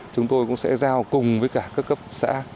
chúng tôi cũng sẽ giao cùng với cả các cấp xã